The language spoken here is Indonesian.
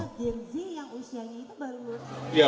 jirji yang usianya itu baru